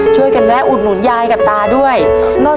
ทับผลไม้เยอะเห็นยายบ่นบอกว่าเป็นยังไงครับ